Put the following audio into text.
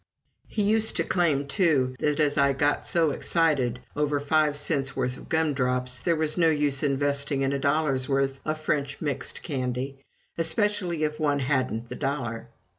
He used to claim, too, that, as I got so excited over five cents' worth of gum drops, there was no use investing in a dollar's worth of French mixed candy especially if one hadn't the dollar.